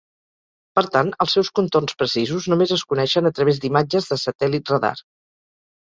Per tant, els seus contorns precisos només es coneixen a través d'imatges de satèl·lit radar.